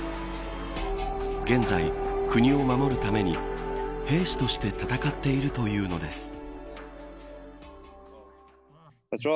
現在、国を守るために兵士として戦っているというのです。